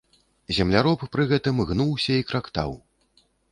Земляроб пры гэтым гнуўся і крактаў.